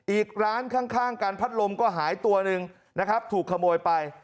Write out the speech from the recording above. อีกร้านข้างการพัดลมก็หายตัวหนึ่งนะครับถูกขโมยไป